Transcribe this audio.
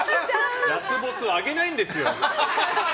ラスボス、あげないんですよ。